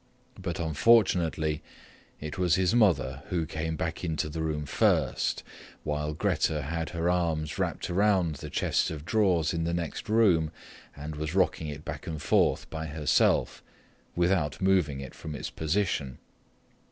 But unfortunately it was his mother who came back into the room first, while Grete had her arms wrapped around the chest of drawers in the next room and was rocking it back and forth by herself, without moving it from its position.